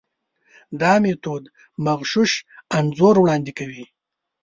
دا میتود مغشوش انځور وړاندې کوي.